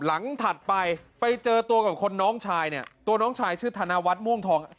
ถัดไปไปเจอตัวกับคนน้องชายเนี่ยตัวน้องชายชื่อธนวัฒน์ม่วงทอง